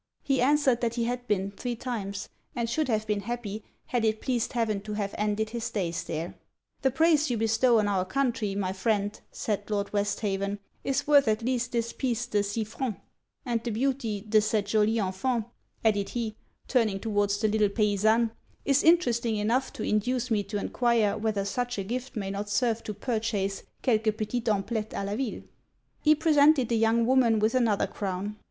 He answered that he had been three times; and should have been happy had it pleased heaven to have ended his days there. 'The praise you bestow on our country, my friend,' said Lord Westhaven, 'is worth at least this piece de six francs, and the beauty de cette jolie enfant, added he, turning towards the little paisanne, 'is interesting enough to induce me to enquire whether such a gift may not serve to purchase quelques petites amplettes a la ville.' He presented the young woman with another crown.